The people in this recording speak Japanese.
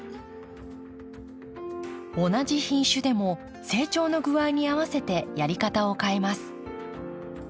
同じ品種でも成長の具合に合わせてやり方を変えます。